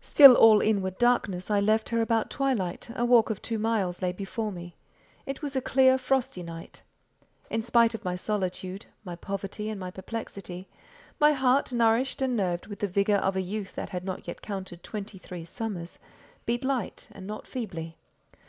Still all inward darkness, I left her about twilight; a walk of two miles lay before me; it was a clear, frosty night. In spite of my solitude, my poverty, and my perplexity, my heart, nourished and nerved with the vigour of a youth that had not yet counted twenty three summers, beat light and not feebly.